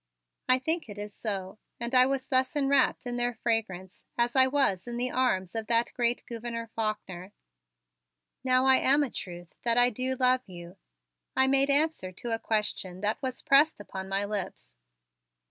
I think it is so, and I was thus enwrapped in their fragrance as I was in the arms of that great Gouverneur Faulkner. "Now I am a truth that I do love you," I made answer to a question that was pressed upon my lips.